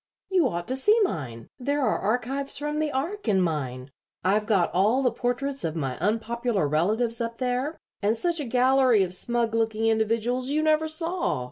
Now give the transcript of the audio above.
"You ought to see mine. There are archives from the Ark in mine. I've got all the portraits of my unpopular relatives up there, and such a gallery of smug looking individuals you never saw.